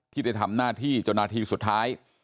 ที่ได้ทำหน้าที่จนนาทีสุดท้าย